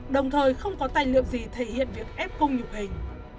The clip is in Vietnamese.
đồng thời không có tài liệu gì thể hiện việc ép cung nhục hình